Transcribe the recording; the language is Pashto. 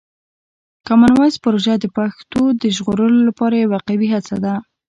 کامن وایس پروژه د پښتو د ژغورلو لپاره یوه قوي هڅه ده.